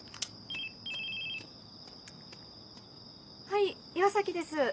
はい岩崎です。